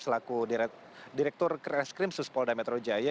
selaku direktur reskrim sus polda metro jaya